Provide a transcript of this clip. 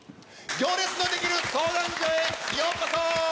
行列のできる相談所へようこ